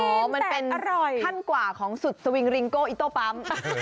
แต่อร่อยอ๋อมันเป็นขั้นกว่าของสุดสวิงฯ์ริงโก้อิโต้ปั๊ม